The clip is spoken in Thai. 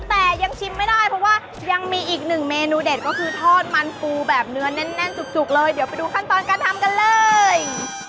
แต่ยังชิมไม่ได้เพราะว่ายังมีอีกหนึ่งเมนูเด็ดก็คือทอดมันปูแบบเนื้อแน่นจุกเลยเดี๋ยวไปดูขั้นตอนการทำกันเลย